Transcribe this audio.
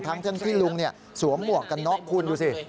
ทั้งที่ลุงสวมหมวกกันน็อกคุณดูสิ